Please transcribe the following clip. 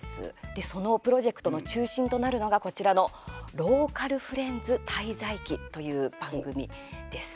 そのプロジェクトの中心となるのが、こちらの「ローカルフレンズ滞在記」という番組です。